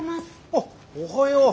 あっおはよう。